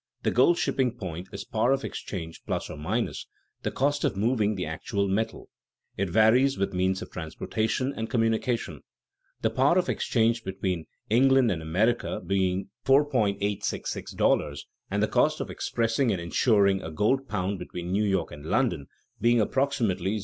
The gold shipping point is par of exchange plus or minus the cost of moving the actual metal; it varies with means of transportation and communication. The par of exchange between England and America being $4.866 and the cost of expressing and insuring a gold pound between New York and London being approximately